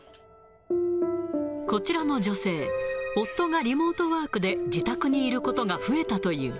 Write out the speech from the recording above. こちらの女性、夫がリモートワークで自宅にいることが増えたという。